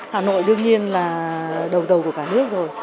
hà nội đương nhiên là đầu đầu của cả nước rồi